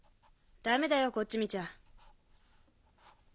ダメだよこっち見ちゃ。